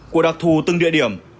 của đặc thù từng địa điểm